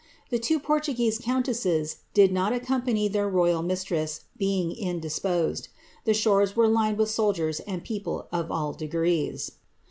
Tiie two Portuguese countesses did not accomptoy their royal mistress, being indisposed.' The shores were lined with J soldiers and people of all degrees.